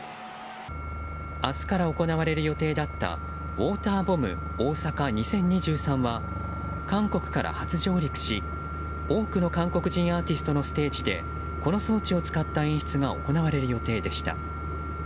明日から行われる予定だった「ウォーターボムオオサカ２０２３」は韓国から初上陸し、多くの韓国人アーティストのステージでこの装置を使った演出が行われる予定でした。